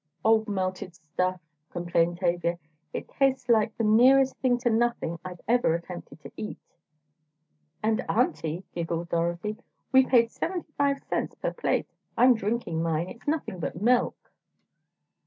"Old melted stuff," complained Tavia, "it tastes like the nearest thing to nothing I've ever attempted to eat!" "And, Auntie," giggled Dorothy, "we paid seventy five cents per plate! I'm drinking mine; it's nothing but milk!"